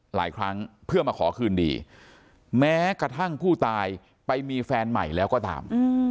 หลายครั้งเพื่อมาขอคืนดีแม้กระทั่งผู้ตายไปมีแฟนใหม่แล้วก็ตาม